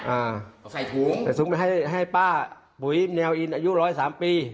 อ่าใส่ถุงใส่ซุ้มไปให้ให้ป้าปุ๋ยแนวอินอายุร้อยสามปี